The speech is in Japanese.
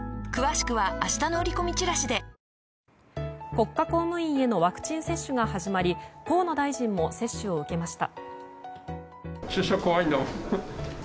国家公務員へのワクチン接種が始まり河野大臣も接種を受けました。